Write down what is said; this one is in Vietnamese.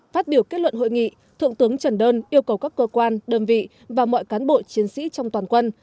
phát biểu kết luận hội nghị thượng tướng trần đơn yêu cầu các cơ quan đơn vị và mọi cán bộ chiến sĩ trong toàn quân